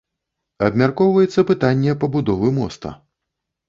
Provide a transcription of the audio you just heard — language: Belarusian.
Абмяркоўваецца пытанне пабудовы моста.